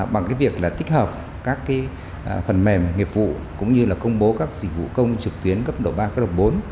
bằng cái việc là tích hợp các phần mềm nghiệp vụ cũng như là công bố các dịch vụ công trực tuyến cấp độ ba cấp độ bốn